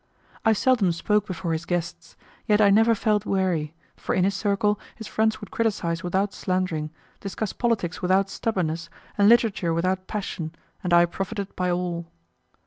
I seldom spoke before his guests, yet I never felt weary, for in his circle his friends would criticise without slandering, discuss politics without stubbornness, literature without passion, and I profited by all.